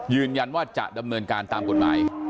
ยืนยันว่าจะดำเนินการตามกฎหมาย